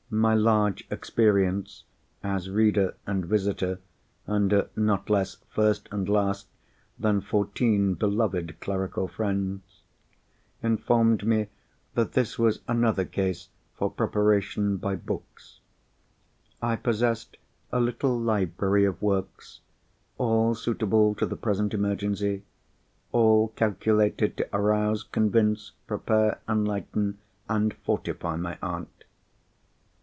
My large experience (as Reader and Visitor, under not less, first and last, than fourteen beloved clerical friends) informed me that this was another case for preparation by books. I possessed a little library of works, all suitable to the present emergency, all calculated to arouse, convince, prepare, enlighten, and fortify my aunt.